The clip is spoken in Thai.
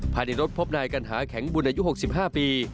ภายในรถพบนายกัณหาแข็งบุญอายุ๖๕ปี